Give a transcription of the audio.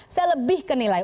saya lebih ke nilai